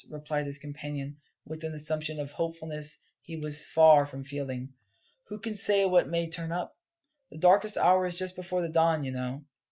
replied his companion, with an assumption of hopefulness he was far from feeling. "Who can say what may turn up? The darkest hour is just before the dawn, you know."